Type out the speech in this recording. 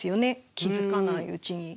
気付かないうちに。